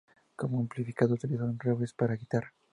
Como amplificador utiliza un Reeves para guitarra.